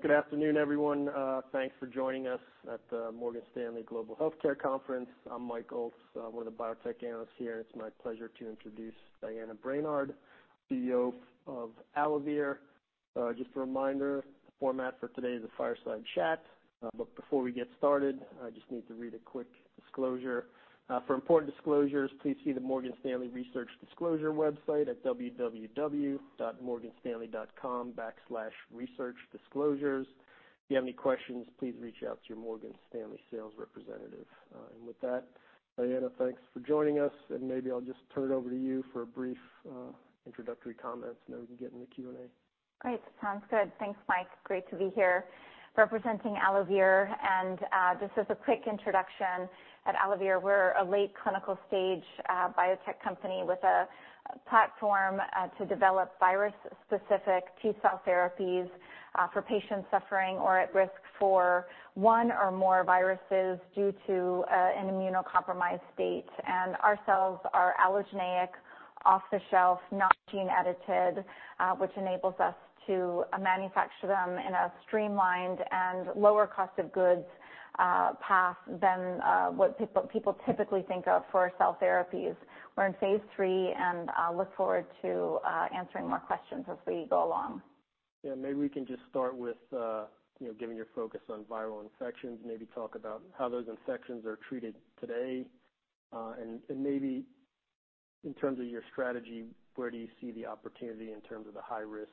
Good afternoon, everyone. Thanks for joining us at the Morgan Stanley Global Healthcare conference. I'm Mike Ulz, one of the biotech analysts here. It's my pleasure to introduce Diana Brainard, CEO of AlloVir. Just a reminder, the format for today is a fireside chat. But before we get started, I just need to read a quick disclosure. "For important disclosures, please see the Morgan Stanley Research Disclosure website at www.morganstanley.com/researchdisclosures. If you have any questions, please reach out to your Morgan Stanley sales representative." And with that, Diana, thanks for joining us, and maybe I'll just turn it over to you for a brief introductory comments, and then we can get in the Q&A. Great. Sounds good. Thanks, Mike. Great to be here representing AlloVir, and just as a quick introduction, at AlloVir, we're a late clinical stage biotech company with a platform to develop virus-specific T-cell therapies for patients suffering or at risk for one or more viruses due to an immunocompromised state. Our cells are allogeneic, off-the-shelf, not gene-edited, which enables us to manufacture them in a streamlined and lower cost of goods path than what people typically think of for cell therapies. We're in phase III, and I'll look forward to answering more questions as we go along. Yeah, maybe we can just start with, you know, giving your focus on viral infections, maybe talk about how those infections are treated today, and, and maybe in terms of your strategy, where do you see the opportunity in terms of the high-risk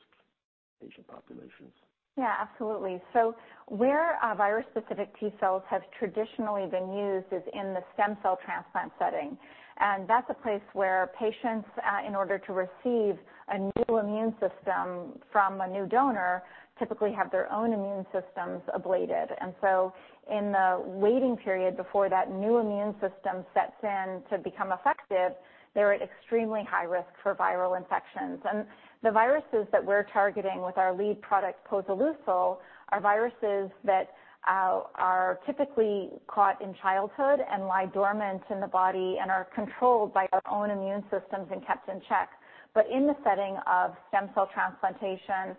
patient populations? Yeah, absolutely. So where virus-specific T cells have traditionally been used is in the stem cell transplant setting. And that's a place where patients, in order to receive a new immune system from a new donor, typically have their own immune systems ablated. And so in the waiting period before that new immune system sets in to become effective, they're at extremely high risk for viral infections. And the viruses that we're targeting with our lead product, posoleucel, are viruses that are typically caught in childhood and lie dormant in the body and are controlled by our own immune systems and kept in check. But in the setting of stem cell transplantation,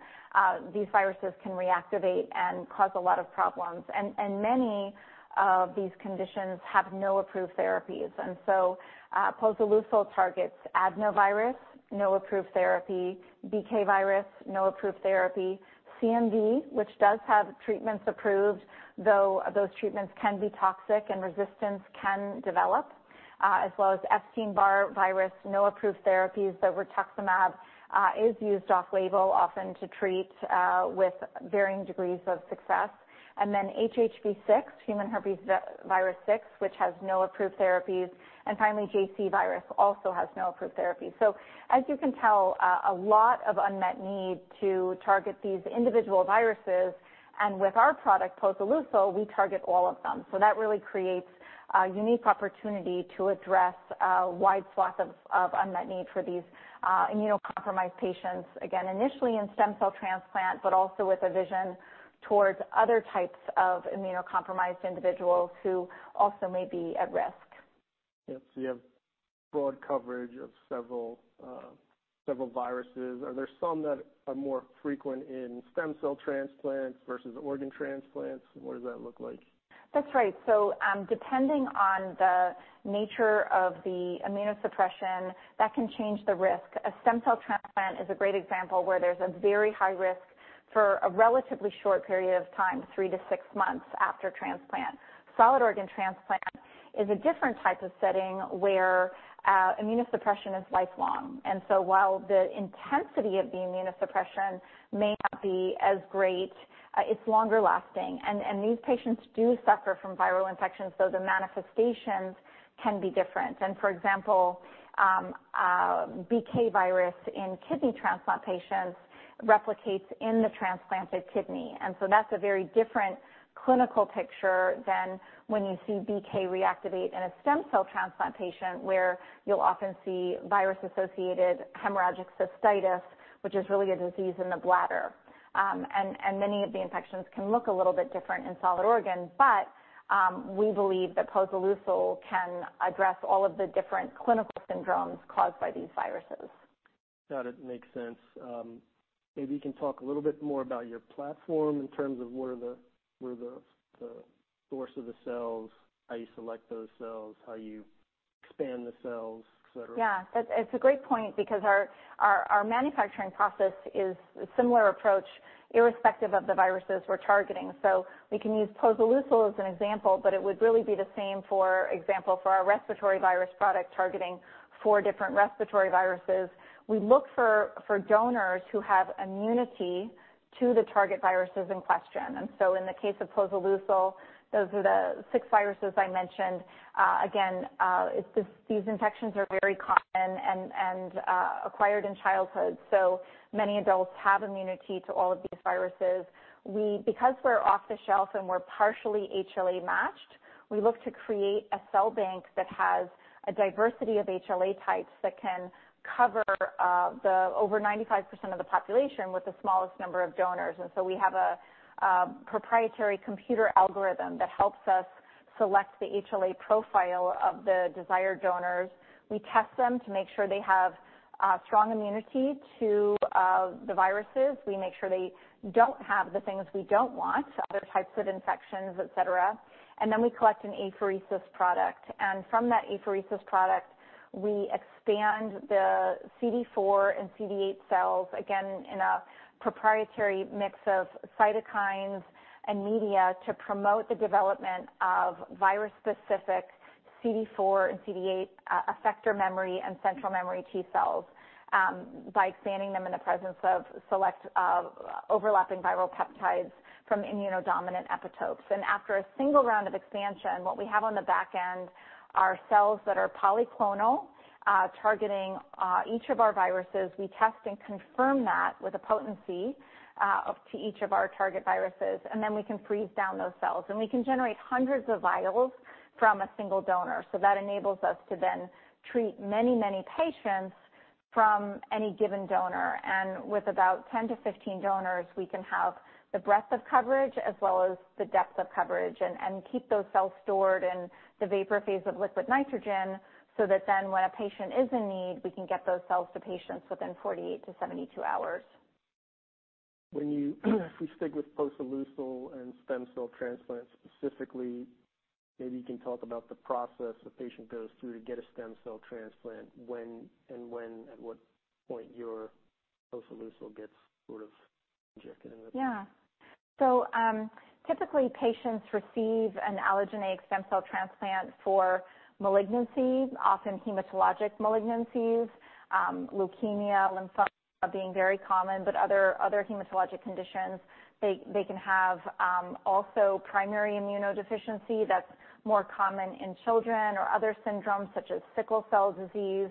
these viruses can reactivate and cause a lot of problems, and many of these conditions have no approved therapies. Posoleucel targets adenovirus, no approved therapy. BK virus, no approved therapy. CMV, which does have treatments approved, though those treatments can be toxic and resistance can develop, as well as Epstein-Barr virus, no approved therapies, but rituximab is used off-label often to treat with varying degrees of success. And then HHV-6, human herpesvirus 6, which has no approved therapies, and finally, JC virus also has no approved therapies. So as you can tell, a lot of unmet need to target these individual viruses, and with our product, posoleucel, we target all of them. So that really creates a unique opportunity to address a wide swath of unmet need for these immunocompromised patients, again, initially in stem cell transplant, but also with a vision towards other types of immunocompromised individuals who also may be at risk. Yeah, so you have broad coverage of several several viruses. Are there some that are more frequent in stem cell transplants versus organ transplants? What does that look like? That's right. So, depending on the nature of the immunosuppression, that can change the risk. A stem cell transplant is a great example where there's a very high risk for a relatively short period of time, 3-6 months after transplant. Solid organ transplant is a different type of setting where immunosuppression is lifelong. And so while the intensity of the immunosuppression may not be as great, it's longer lasting. And these patients do suffer from viral infections, though the manifestations can be different. And for example, BK virus in kidney transplant patients replicates in the transplanted kidney. And so that's a very different clinical picture than when you see BK reactivate in a stem cell transplant patient, where you'll often see virus-associated hemorrhagic cystitis, which is really a disease in the bladder. And many of the infections can look a little bit different in solid organ, but we believe that posoleucel can address all of the different clinical syndromes caused by these viruses. Got it. Makes sense. Maybe you can talk a little bit more about your platform in terms of where the source of the cells, how you select those cells, how you expand the cells, et cetera. Yeah, it's a great point because our manufacturing process is a similar approach, irrespective of the viruses we're targeting. So we can use posoleucel as an example, but it would really be the same, for example, for our respiratory virus product targeting four different respiratory viruses. We look for donors who have immunity to the target viruses in question. And so in the case of posoleucel, those are the six viruses I mentioned. Again, it's just these infections are very common and acquired in childhood, so many adults have immunity to all of these viruses. Because we're off the shelf and we're partially HLA-matched, we look to create a cell bank that has a diversity of HLA types that can cover over 95% of the population with the smallest number of donors. And so we have a proprietary computer algorithm that helps us select the HLA profile of the desired donors. We test them to make sure they have strong immunity to the viruses. We make sure they don't have the things we don't want, other types of infections, et cetera. And then we collect an apheresis product, and from that apheresis product, we expand the CD4 and CD8 cells, again, in a proprietary mix of cytokines and media to promote the development of virus-specific CD4 and CD8 effector memory and central memory T cells by expanding them in the presence of select overlapping viral peptides from immunodominant epitopes. And after a single round of expansion, what we have on the back end are cells that are polyclonal targeting each of our viruses. We test and confirm that with a potency to each of our target viruses, and then we can freeze down those cells. And we can generate hundreds of vials from a single donor, so that enables us to then treat many, many patients from any given donor. And with about 10-15 donors, we can have the breadth of coverage as well as the depth of coverage and keep those cells stored in the vapor phase of liquid nitrogen, so that then when a patient is in need, we can get those cells to patients within 48-72 hours. If we stick with posoleucel and stem cell transplants, specifically, maybe you can talk about the process a patient goes through to get a stem cell transplant, when, at what point your posoleucel gets sort of injected into them? Yeah. So, typically, patients receive an allogeneic stem cell transplant for malignancies, often hematologic malignancies, leukemia, lymphoma being very common, but other hematologic conditions. They can have also primary immunodeficiency that's more common in children or other syndromes such as sickle cell disease.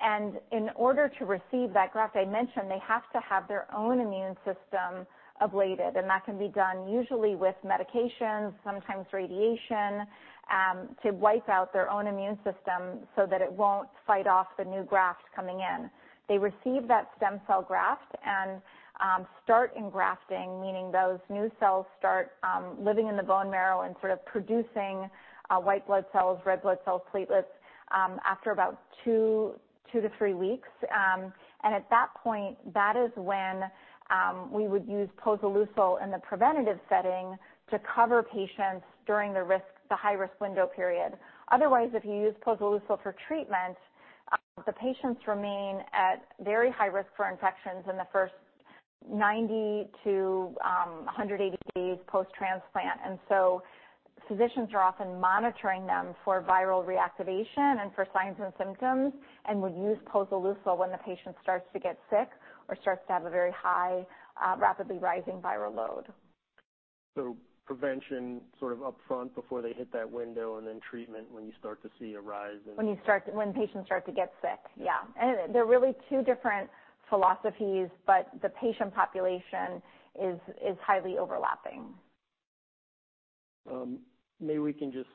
And in order to receive that graft, I mentioned they have to have their own immune system ablated, and that can be done usually with medications, sometimes radiation, to wipe out their own immune system so that it won't fight off the new graft coming in. They receive that stem cell graft and start engrafting, meaning those new cells start living in the bone marrow and sort of producing white blood cells, red blood cells, platelets, after about 2-3 weeks. And at that point, that is when we would use posoleucel in the preventative setting to cover patients during the risk, the high-risk window period. Otherwise, if you use posoleucel for treatment, the patients remain at very high risk for infections in the first 90-180 days post-transplant. And so physicians are often monitoring them for viral reactivation and for signs and symptoms, and would use posoleucel when the patient starts to get sick or starts to have a very high, rapidly rising viral load. So prevention sort of upfront before they hit that window, and then treatment when you start to see a rise in- When patients start to get sick, yeah. And they're really two different philosophies, but the patient population is highly overlapping. Maybe we can just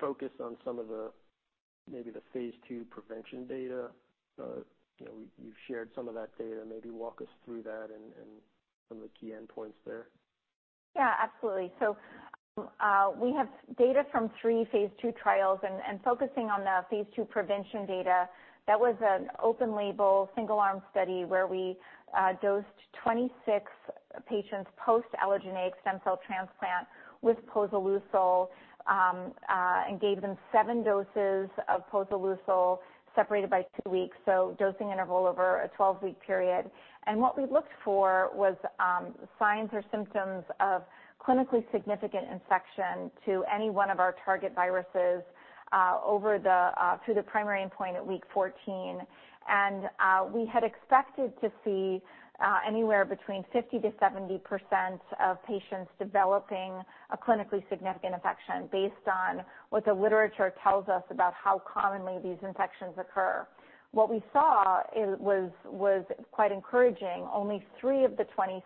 focus on some of the, maybe the phase II prevention data. You know, you've shared some of that data. Maybe walk us through that and some of the key endpoints there. Yeah, absolutely. So, we have data from three phase II trials, and focusing on the phase II prevention data, that was an open-label, single-arm study where we dosed 26 patients post allogeneic stem cell transplant with posoleucel, and gave them 7 doses of posoleucel, separated by 2 weeks, so dosing interval over a 12-week period. And what we looked for was signs or symptoms of clinically significant infection to any one of our target viruses, over to the primary endpoint at week 14. And we had expected to see anywhere between 50%-70% of patients developing a clinically significant infection based on what the literature tells us about how commonly these infections occur. What we saw was quite encouraging. Only 3 of the 26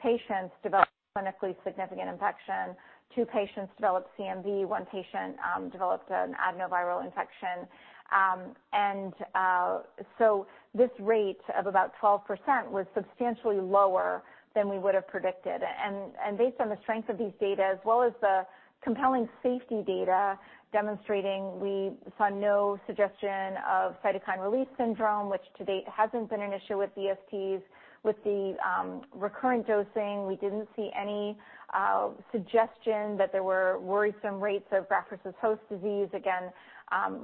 patients developed clinically significant infection. Two patients developed CMV, one patient developed an adenoviral infection. So this rate of about 12% was substantially lower than we would have predicted. And based on the strength of these data, as well as the compelling safety data demonstrating we saw no suggestion of cytokine release syndrome, which to date hasn't been an issue with VSTs. With the recurrent dosing, we didn't see any suggestion that there were worrisome rates of graft-versus-host disease. Again,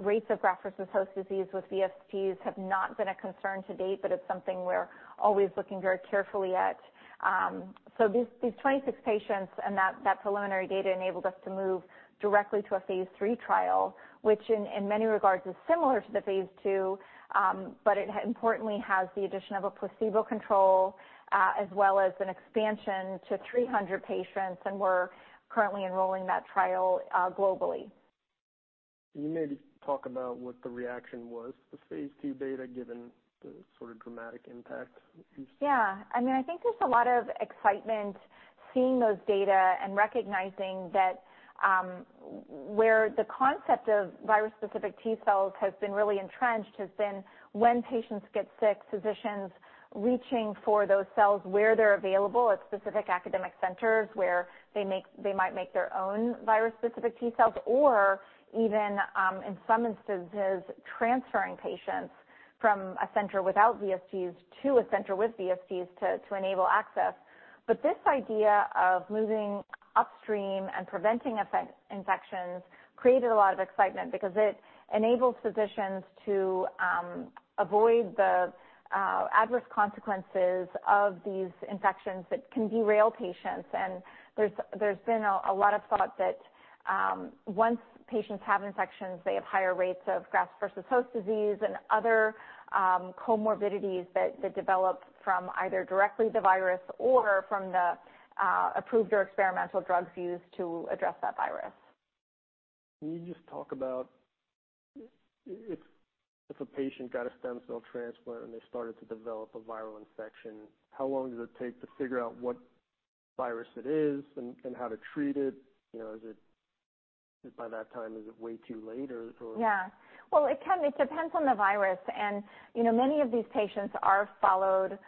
rates of graft-versus-host disease with VSTs have not been a concern to date, but it's something we're always looking very carefully at. So these 26 patients and that preliminary data enabled us to move directly to a phase III trial, which in many regards is similar to the phase II, but it importantly has the addition of a placebo control, as well as an expansion to 300 patients, and we're currently enrolling that trial, globally. Can you maybe talk about what the reaction was to the phase II data, given the sort of dramatic impact it's- Yeah. I mean, I think there's a lot of excitement seeing those data and recognizing that where the concept of virus-specific T cells has been really entrenched has been when patients get sick, physicians reaching for those cells where they're available at specific academic centers, where they might make their own virus-specific T cells, or even in some instances, transferring patients from a center without VSTs to a center with VSTs to enable access. But this idea of moving upstream and preventing infections created a lot of excitement because it enables physicians to avoid the adverse consequences of these infections that can derail patients. There's been a lot of thought that once patients have infections, they have higher rates of graft-versus-host disease and other comorbidities that develop from either directly the virus or from the approved or experimental drugs used to address that virus. Can you just talk about if a patient got a stem cell transplant, and they started to develop a viral infection, how long does it take to figure out what virus it is and how to treat it? You know, is it just by that time, is it way too late, or? Yeah. Well, it can. It depends on the virus. And, you know, many of these patients are followed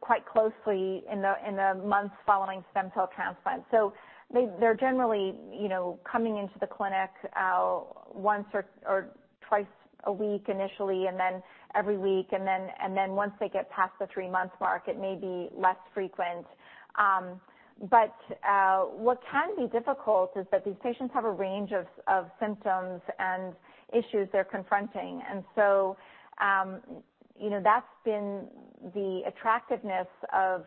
quite closely in the months following stem cell transplant. So they, they're generally, you know, coming into the clinic once or twice a week initially, and then every week, and then once they get past the three-month mark, it may be less frequent. But what can be difficult is that these patients have a range of symptoms and issues they're confronting. And so, you know, that's been the attractiveness of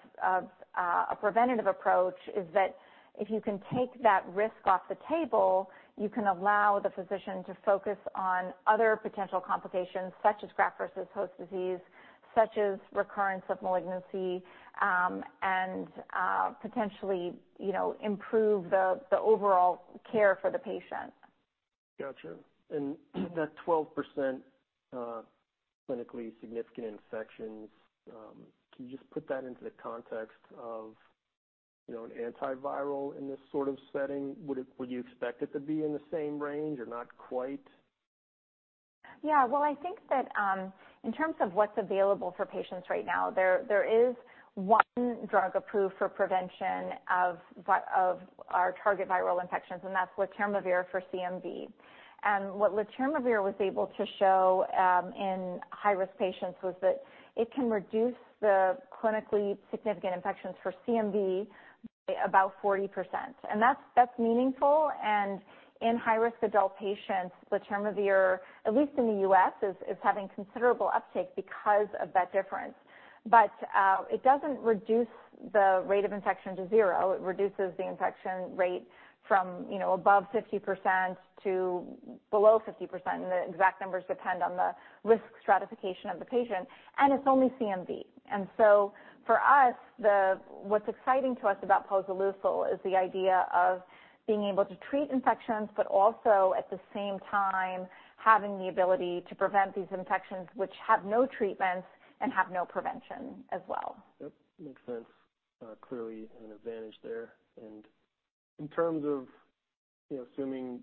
a preventative approach, is that if you can take that risk off the table, you can allow the physician to focus on other potential complications, such as graft-versus-host disease, such as recurrence of malignancy, and potentially, you know, improve the overall care for the patient. Gotcha. That 12%, clinically significant infections, can you just put that into the context of, you know, an antiviral in this sort of setting? Would you expect it to be in the same range or not quite? Yeah. Well, I think that, in terms of what's available for patients right now, there, there is one drug approved for prevention of our target viral infections, and that's letermovir for CMV. And what letermovir was able to show, in high-risk patients was that it can reduce the clinically significant infections for CMV by about 40%. And that's, that's meaningful. And in high-risk adult patients, letermovir, at least in the U.S., is, is having considerable uptake because of that difference. But, it doesn't reduce the rate of infection to zero. It reduces the infection rate from, you know, above 50% to below 50%, and the exact numbers depend on the risk stratification of the patient, and it's only CMV. And so for us, what's exciting to us about posoleucel is the idea of being able to treat infections, but also at the same time, having the ability to prevent these infections, which have no treatments and have no prevention as well. Yep, makes sense. Clearly an advantage there. And in terms of, you know, assuming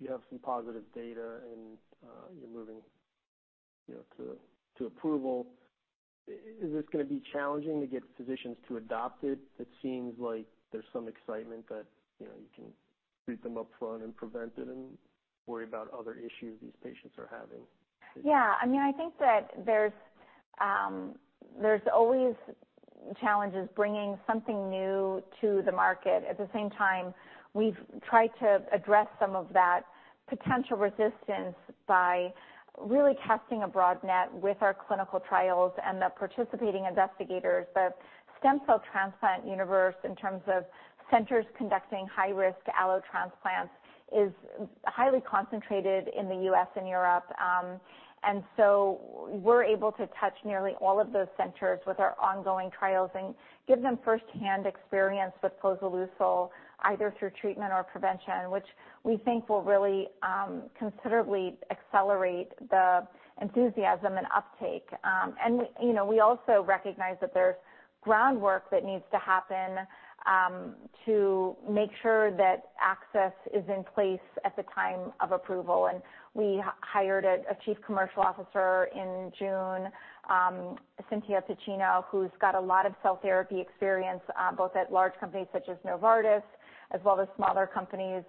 you have some positive data and, you're moving, you know, to, to approval, is this gonna be challenging to get physicians to adopt it? It seems like there's some excitement that, you know, you can treat them upfront and prevent it and worry about other issues these patients are having. Yeah. I mean, I think that there's, there's always challenges bringing something new to the market. At the same time, we've tried to address some of that potential resistance by really casting a broad net with our clinical trials and the participating investigators. The stem cell transplant universe, in terms of centers conducting high-risk allotransplants, is highly concentrated in the U.S. and Europe. And so we're able to touch nearly all of those centers with our ongoing trials and give them firsthand experience with posoleucel, either through treatment or prevention, which we think will really, considerably accelerate the enthusiasm and uptake. And, you know, we also recognize that there's groundwork that needs to happen, to make sure that access is in place at the time of approval. We hired a Chief Commercial Officer in June, Cintia Piccina, who's got a lot of cell therapy experience, both at large companies such as Novartis, as well as smaller companies,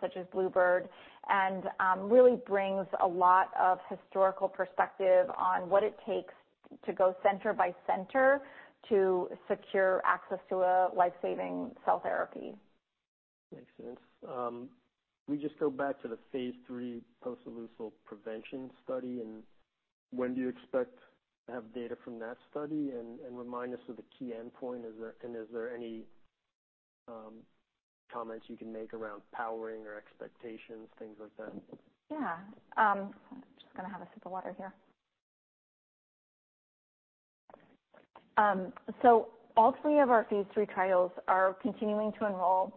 such as Bluebird, and really brings a lot of historical perspective on what it takes to go center by center to secure access to a life-saving cell therapy. Makes sense. Can we just go back to the phase III posoleucel prevention study, and when do you expect to have data from that study? And remind us of the key endpoint. Is there any comments you can make around powering or expectations, things like that? Yeah. I'm just gonna have a sip of water here. So all three of our phase three trials are continuing to enroll,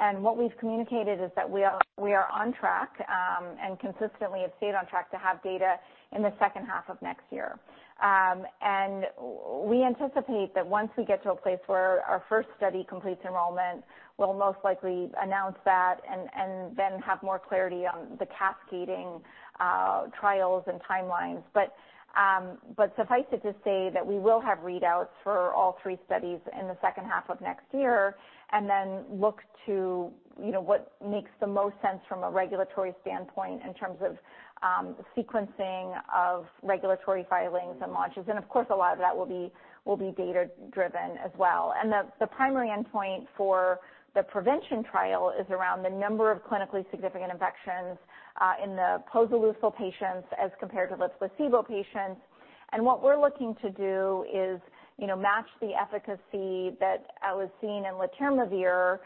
and what we've communicated is that we are on track, and consistently have stayed on track to have data in the second half of next year. And we anticipate that once we get to a place where our first study completes enrollment, we'll most likely announce that and then have more clarity on the cascading trials and timelines. But suffice it to say that we will have readouts for all three studies in the second half of next year, and then look to, you know, what makes the most sense from a regulatory standpoint in terms of sequencing of regulatory filings and launches. Of course, a lot of that will be data-driven as well. The primary endpoint for the prevention trial is around the number of clinically significant infections in the posoleucel patients as compared to the placebo patients. What we're looking to do is, you know, match the efficacy that was seen in letermovir,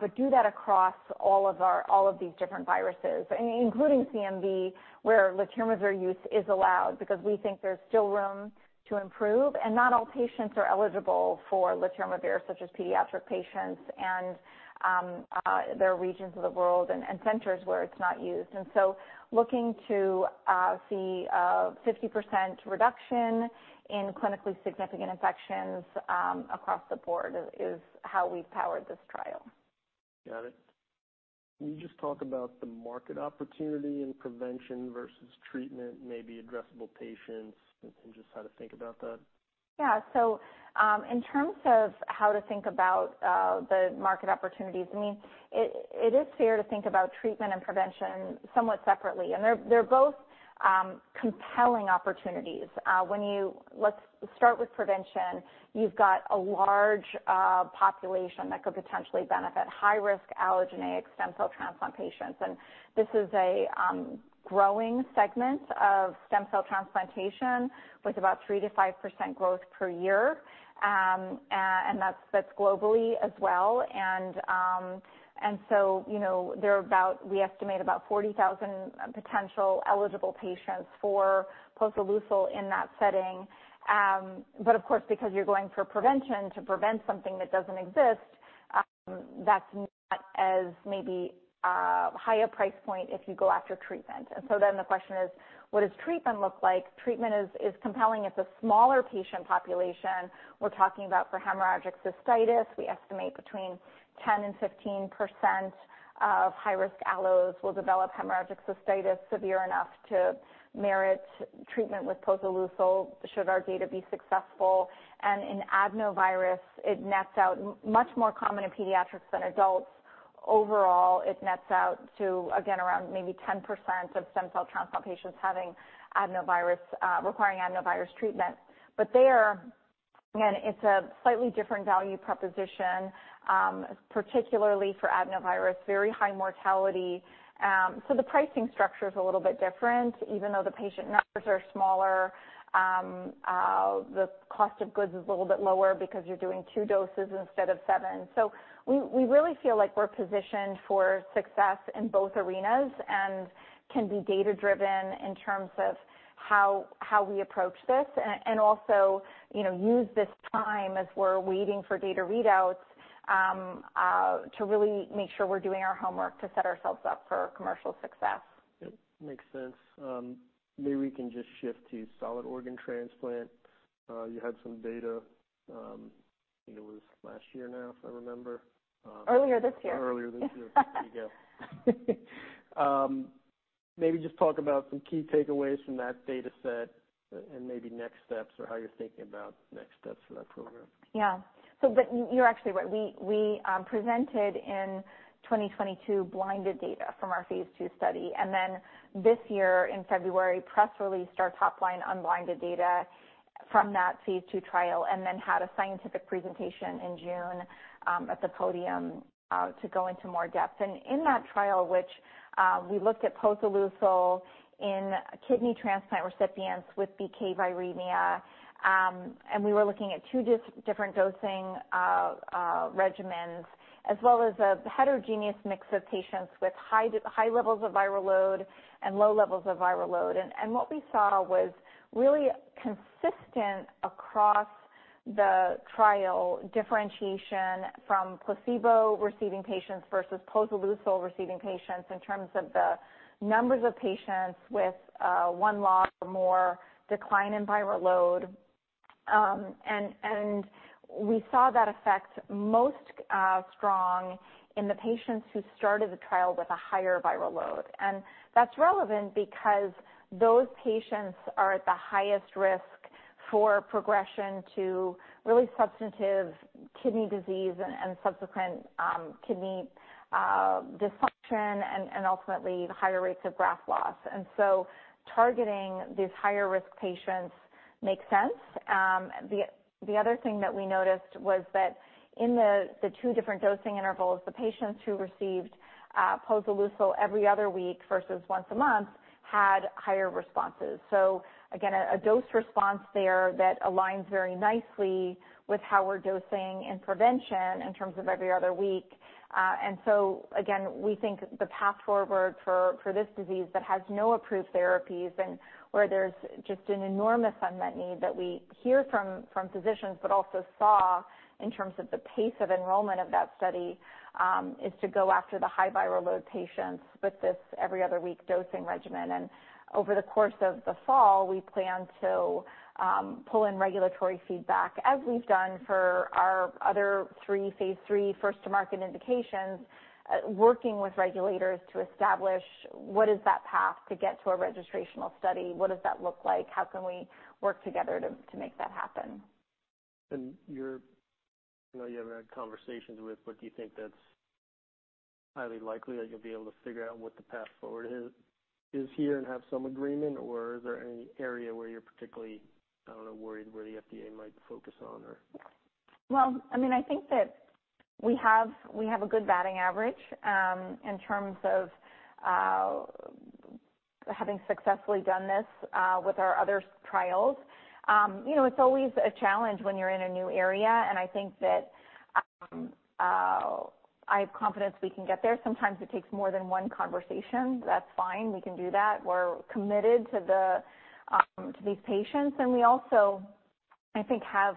but do that across all of these different viruses, including CMV, where letermovir use is allowed. Because we think there's still room to improve, and not all patients are eligible for letermovir, such as pediatric patients and there are regions of the world and centers where it's not used. So looking to see a 50% reduction in clinically significant infections across the board is how we've powered this trial. Got it. Can you just talk about the market opportunity in prevention versus treatment, maybe addressable patients, and just how to think about that? Yeah. So, in terms of how to think about the market opportunities, I mean, it is fair to think about treatment and prevention somewhat separately, and they're both compelling opportunities. When you... Let's start with prevention. You've got a large population that could potentially benefit high-risk allogeneic stem cell transplant patients. And this is a growing segment of stem cell transplantation with about 3%-5% growth per year. And that's globally as well. And so you know, there are about, we estimate about 40,000 potential eligible patients for posoleucel in that setting. But of course, because you're going for prevention to prevent something that doesn't exist, that's not as maybe higher price point if you go after treatment. And so then the question is, what does treatment look like? Treatment is compelling. It's a smaller patient population. We're talking about for hemorrhagic cystitis. We estimate between 10% and 15% of high-risk allos will develop hemorrhagic cystitis, severe enough to merit treatment with posoleucel, should our data be successful. In adenovirus, it nets out much more common in pediatrics than adults. Overall, it nets out to, again, around maybe 10% of stem cell transplant patients having adenovirus requiring adenovirus treatment. But there, again, it's a slightly different value proposition, particularly for adenovirus, very high mortality. So the pricing structure is a little bit different. Even though the patient numbers are smaller, the cost of goods is a little bit lower because you're doing 2 doses instead of 7. So we really feel like we're positioned for success in both arenas and can be data-driven in terms of how we approach this, and also, you know, use this time as we're waiting for data readouts to really make sure we're doing our homework to set ourselves up for commercial success. It makes sense. Maybe we can just shift to solid organ transplant. You had some data, I think it was last year now, if I remember. Earlier this year. Earlier this year. There you go. Maybe just talk about some key takeaways from that data set and, and maybe next steps or how you're thinking about next steps for that program. Yeah. So but you, you're actually right. We presented in 2022, blinded data from our phase II study, and then this year, in February, press released our top line unblinded data from that phase II trial, and then had a scientific presentation in June at the podium to go into more depth. And in that trial, which we looked at posoleucel in kidney transplant recipients with BK viremia, and we were looking at two different dosing regimens, as well as a heterogeneous mix of patients with high levels of viral load and low levels of viral load. And what we saw was really consistent across the trial, differentiation from placebo-receiving patients versus posoleucel-receiving patients in terms of the numbers of patients with one log or more decline in viral load. We saw that effect most strong in the patients who started the trial with a higher viral load. That's relevant because those patients are at the highest risk for progression to really substantive kidney disease and subsequent kidney dysfunction and ultimately higher rates of graft loss. So targeting these higher-risk patients makes sense. The other thing that we noticed was that in the two different dosing intervals, the patients who received posoleucel every other week versus once a month had higher responses. Again, a dose response there that aligns very nicely with how we're dosing in prevention in terms of every other week. So again, we think the path forward for this disease that has no approved therapies and where there's just an enormous unmet need that we hear from physicians, but also saw in terms of the pace of enrollment of that study, is to go after the high viral load patients with this every other week dosing regimen. Over the course of the fall, we plan to pull in regulatory feedback, as we've done for our other three phase III first to market indications, working with regulators to establish what is that path to get to a registrational study? What does that look like? How can we work together to make that happen? And you're, I know you haven't had conversations with, but do you think that's highly likely that you'll be able to figure out what the path forward is here and have some agreement? Or is there any area where you're particularly, I don't know, worried where the FDA might focus on or? Well, I mean, I think that we have, we have a good batting average, in terms of, having successfully done this, with our other trials. You know, it's always a challenge when you're in a new area, and I think that, I have confidence we can get there. Sometimes it takes more than one conversation. That's fine. We can do that. We're committed to the, to these patients, and we also, I think, have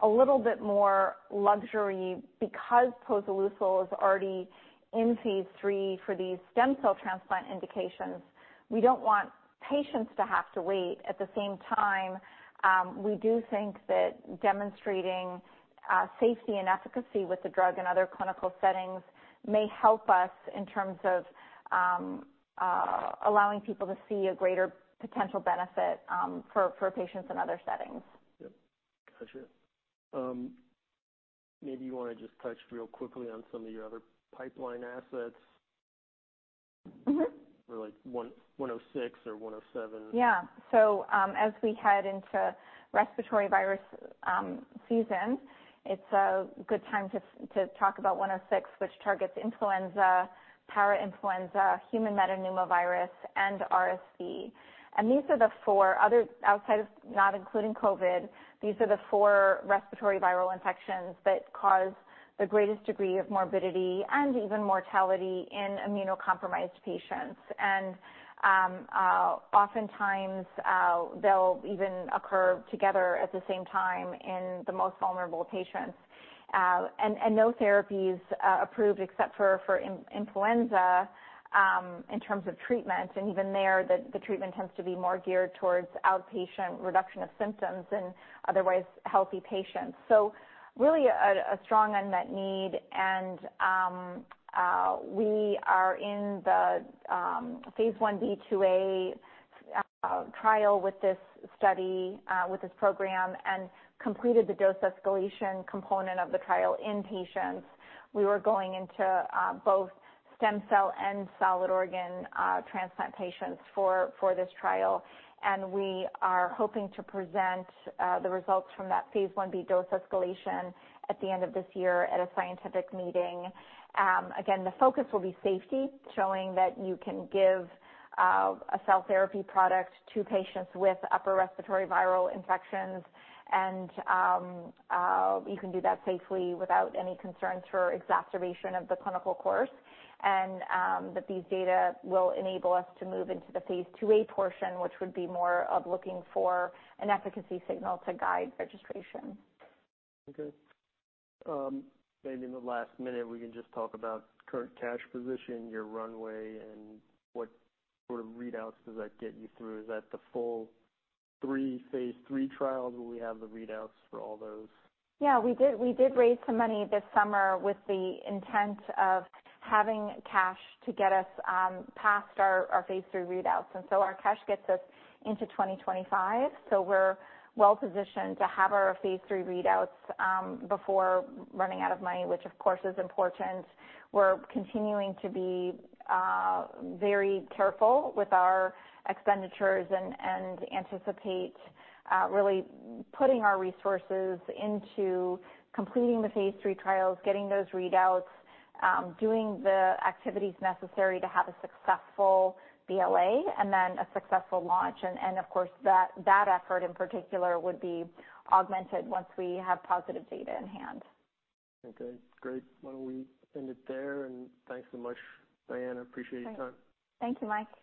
a little bit more luxury because posoleucel is already in phase III for these stem cell transplant indications. We don't want patients to have to wait. At the same time, we do think that demonstrating safety and efficacy with the drug in other clinical settings may help us in terms of allowing people to see a greater potential benefit for patients in other settings. Yep. Got you. Maybe you want to just touch real quickly on some of your other pipeline assets. Mm-hmm. Or like, 106 or 107. Yeah. So, as we head into respiratory virus season, it's a good time to talk about 106, which targets influenza, parainfluenza, human metapneumovirus, and RSV. And these are the four other... Outside of, not including COVID, these are the four respiratory viral infections that cause the greatest degree of morbidity and even mortality in immunocompromised patients. And, oftentimes, they'll even occur together at the same time in the most vulnerable patients. And no therapies approved except for influenza, in terms of treatment, and even there, the treatment tends to be more geared towards outpatient reduction of symptoms in otherwise healthy patients. So really, a strong unmet need, and we are in the phase I-B/II-A trial with this study with this program, and completed the dose escalation component of the trial in patients. We were going into both stem cell and solid organ transplant patients for this trial, and we are hoping to present the results from that phase I-B dose escalation at the end of this year at a scientific meeting. Again, the focus will be safety, showing that you can give a cell therapy product to patients with upper respiratory viral infections, and you can do that safely without any concerns for exacerbation of the clinical course, and that these data will enable us to move into phase II-A portion, which would be more of looking for an efficacy signal to guide registration. Okay. Maybe in the last minute, we can just talk about current cash position, your runway, and what sort of readouts does that get you through? Is that the full three phase III trials? Will we have the readouts for all those? Yeah, we did, we did raise some money this summer with the intent of having cash to get us past our phase III readouts, and so our cash gets us into 2025. So we're well positioned to have our phase III readouts before running out of money, which, of course, is important. We're continuing to be very careful with our expenditures and anticipate really putting our resources into completing the phase III trials, getting those readouts, doing the activities necessary to have a successful BLA and then a successful launch. And, of course, that effort in particular would be augmented once we have positive data in hand. Okay, great. Why don't we end it there, and thanks so much, Diana. I appreciate your time. Thank you, Mike.